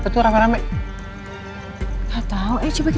anak saya butuh susu pak